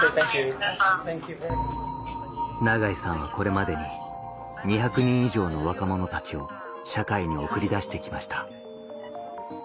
永井さんはこれまでに２００人以上の若者たちを社会に送り出して来ました